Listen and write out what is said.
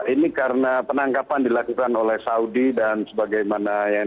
ini karena penangkapan dilakukan oleh saudi dan sebagainya